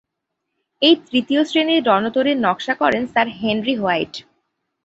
এই "তৃতীয় শ্রেণীর রণতরী"র নকশা করেন স্যার হেনরি হোয়াইট।